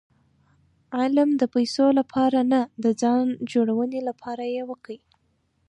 علم د پېسو له پاره نه؛ د ځان جوړوني له پاره ئې وکئ!